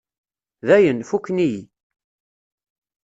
Dayen, fukken-iyi.